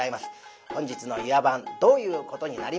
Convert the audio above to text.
本日の「湯屋番」どういうことになりますや。